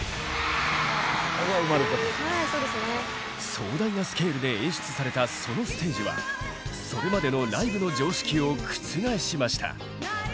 壮大なスケールで演出されたそのステージはそれまでのライブの常識を覆しました。